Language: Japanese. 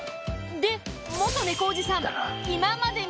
で猫おじさん